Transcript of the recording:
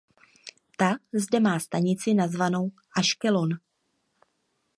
Ta zde má stanici nazvanou Aškelon.